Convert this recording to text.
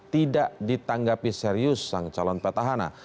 tidak ditanggapi serius sang calon petahana